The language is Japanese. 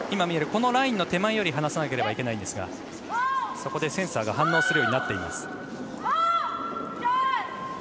ライン手前から放さないといけないんですがそこでセンサーが反応するようになっています。